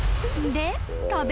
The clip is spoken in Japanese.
で］